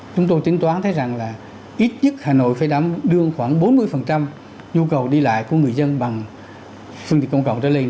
chúng tôi tính toán thấy rằng là ít nhất hà nội phải đương khoảng bốn mươi nhu cầu đi lại của người dân bằng phương tiện công cộng trở lên